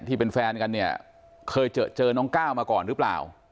ที่เป็นแฟนกันเนี่ยเคยเจอน้องก้าวมาก่อนหรือเปล่า